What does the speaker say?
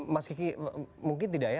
mas kiki mungkin tidak ya